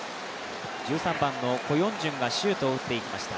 １３番のコ・ヨンジュンがシュートを打っていきました。